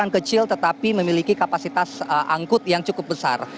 kecil tetapi memiliki kapasitas angkut yang cukup besar